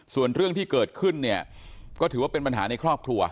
ส่วนเรื่องที่เกิดขึ้นเนี่ยก็ถือว่าเป็นปัญหาในครอบครัว